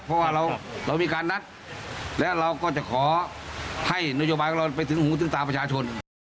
เพราะว่าเรามีการนัดและเราก็จะขอให้นโยบายของเราไปถึงหูถึงตาประชาชน